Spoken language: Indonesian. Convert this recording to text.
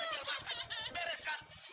kita jual makan bereskan